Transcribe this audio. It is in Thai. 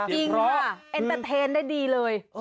จริงค่ะเอ็นเตอร์เทนได้ดีเลย